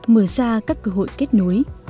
mở ra các cơ hội kết nối